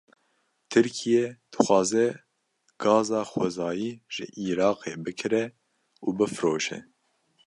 Tirkiye, dixwaze gaza xwezayî ji Îraqê bikire û bifroşe